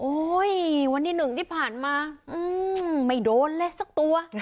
โอ้ยวันที่หนึ่งที่ผ่านมาไม่โดนเลยสักตัว